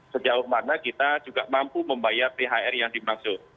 sejauh mana kita juga mampu membayar thr yang dimaksud